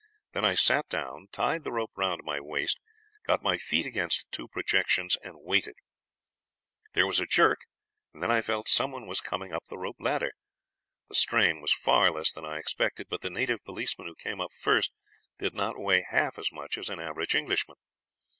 Then I sat down, tied the rope round my waist, got my feet against two projections, and waited. There was a jerk, and then I felt someone was coming up the rope ladder. The strain was far less than I expected, but the native policeman who came up first did not weigh half so much as an average Englishman.